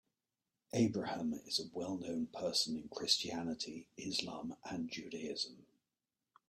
Abraham is a well known person in Christianity, Islam and Judaism.